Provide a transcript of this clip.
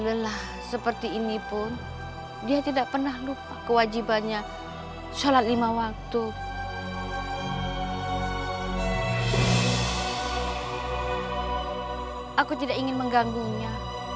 lelah seperti ini pun dia tidak pernah lupa kewajibannya sholat lima waktu aku tidak ingin mengganggunya